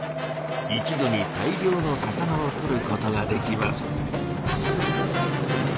一度に大量の魚をとることができます。